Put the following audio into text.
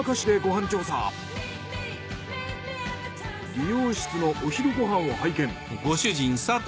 理容室のお昼ご飯を拝見。